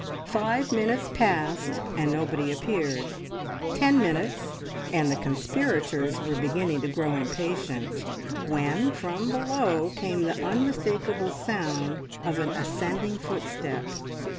Five minutes passed, and nobody appeared; ten minutes, and the conspirators were beginning to grow impatient, when from below came the unmistakable sound of an ascending footstep.